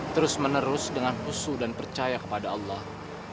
terus menerus dengan khusyu dan percaya kepada allah